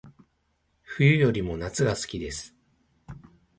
冬よりも夏が好きです